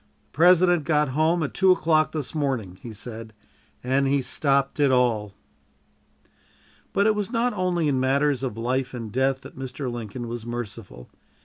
"The President got home at two o'clock this morning," he said, "and he stopped it all." But it was not only in matters of life and death that Mr. Lincoln was merciful.